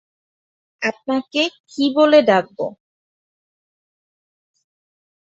আপনাকে কী বলে ডাকবো?